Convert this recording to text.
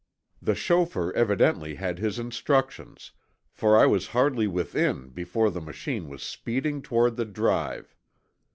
The chauffeur evidently had his instructions, for I was hardly within before the machine was speeding toward the Drive.